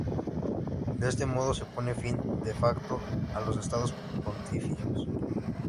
De este modo se pone fin "de facto" a los Estados Pontificios.